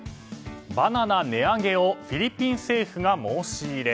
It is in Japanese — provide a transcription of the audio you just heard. バナナ値上げをフィリピン政府が申し入れ。